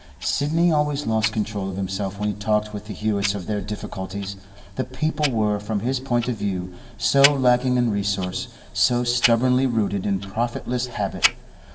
Sidney always lost control of himself when he talked with the Hewetts of their difficulties; the people were, from his point of view, so lacking in resource, so stubbornly rooted in profitless habit.